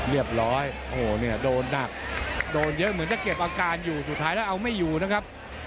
เรียบร้อยโอ้โหเนี่ยโดนหนักโดนเยอะเหมือนจะเก็บอาการอยู่สุดท้ายแล้วเอาไม่อยู่นะครับ